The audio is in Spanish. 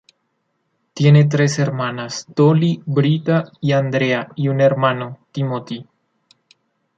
Tiene tres hermanas, Dolly, Britta, y Andrea, y un hermano, Timothy.